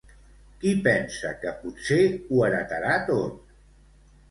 Qui pensa que potser ho heretarà tot?